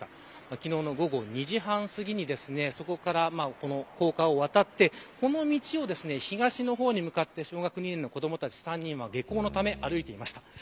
昨日の午後２時半すぎにそこから高架を渡って、この道を東の方に向かって子どもたち３人は下校のため歩いていました。